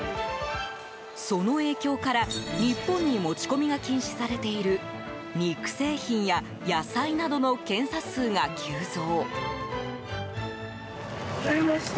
その影響から日本に持ち込みが禁止されている肉製品や野菜などの検査数が急増。